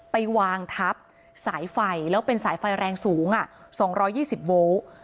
ไปวางทับสายไฟแล้วเป็นสายไฟแรงสูง๒๒๐โวลต์